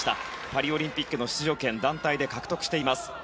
パリオリンピックの出場権団体で獲得しています。